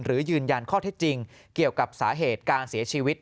ยืนยันข้อเท็จจริงเกี่ยวกับสาเหตุการเสียชีวิต